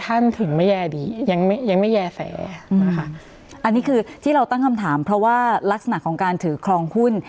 อันนี้คือที่เราตั้งคำถามเพราะว่าลักษณะของการถือครองหุ้น